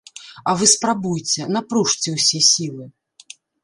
А вы спрабуйце, напружце ўсе сілы.